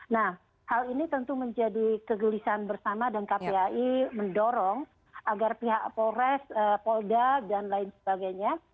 nah hal ini tentu menjadi kegelisahan bersama dan kpai mendorong agar pihak polres polda dan lain sebagainya